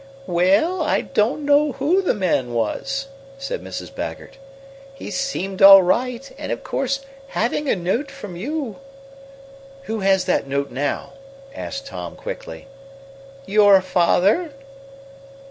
"Well, I don't know who the man was," said Mrs. Baggert. "He seemed all right, and of course having a note from you " "Who has that note now?" asked Tom quickly. "Your father."